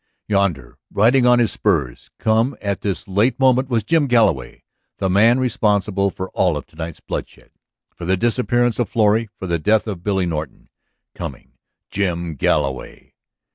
Yonder, riding on his spurs, come at this late moment, was Jim Galloway. The man responsible for all of to night's bloodshed, for the disappearance of Florrie, for the death of Billy Norton. "Coming, Jim Galloway!"